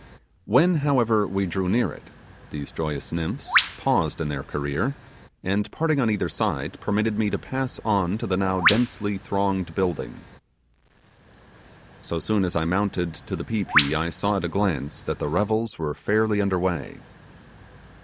When however we drew near it these joyous nymphs paused in their career, and parting on either side, permitted me to pass on to the now densely thronged building. So soon as I mounted to the pi pi I saw at a glance that the revels were fairly under way.